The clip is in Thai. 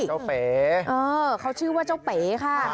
เจ้าเป๋เออเขาชื่อว่าเจ้าเป๋ค่ะครับ